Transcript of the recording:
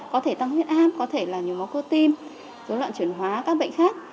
có thể tăng huyết áp có thể là nhiều mốc cơ tim dưỡng loạn chuyển hóa các bệnh khác